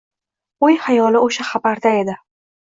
O`y-xayoli o`sha xabarda edi